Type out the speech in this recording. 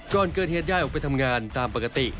ก่อนเกิดเหตุยายออกไปทำงานตามปกติ